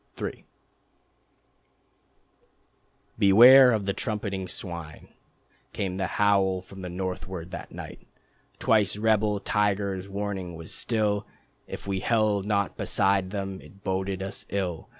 III "Beware of the trumpeting swine," Came the howl from the northward that night. Twice rebel tigers warning was still If we held not beside them it boded us ill.